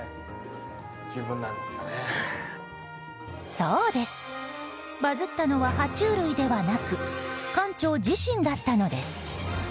そうです、バズったのは爬虫類ではなく館長自身だったのです。